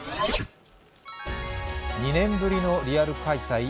２年ぶりのリアル開催